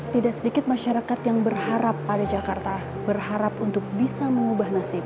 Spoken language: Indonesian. tidak sedikit masyarakat yang berharap pada jakarta berharap untuk bisa mengubah nasib